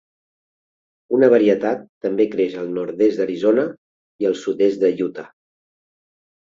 Una varietat també creix al nord-est d'Arizona i el sud-est de Utah.